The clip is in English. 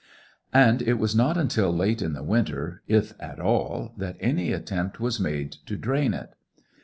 And it was not until late in the winter, if at all, that any attempt was made to drain it.